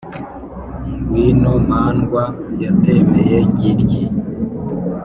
Ngw'ino mandwa yatemeye Ngilyi!